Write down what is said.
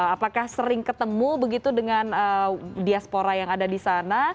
apakah sering ketemu begitu dengan diaspora yang ada di sana